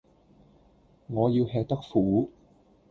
我要吃得苦